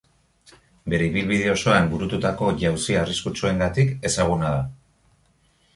Bere ibilbide osoan burututako jauzi arriskutsuengatik ezaguna da.